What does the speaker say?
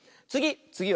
つぎ！